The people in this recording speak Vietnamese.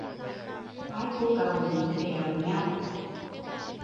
Hai cô cậu dính kẹo với nhau